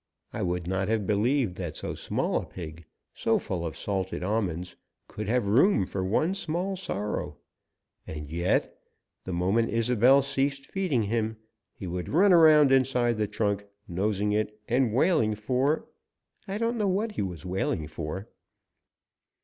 I would not have believed that so small a pig, so full of salted almonds, could have room for one small sorrow. And yet, the moment Isobel ceased feeding him, he would run around inside the trunk, nosing it and wailing for I don't know what he was wailing for!